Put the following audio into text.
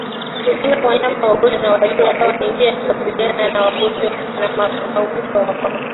Kutenga wanyama wagonjwa na walio salama ni njia ya kukabiliana na ugonjwa wa mapafu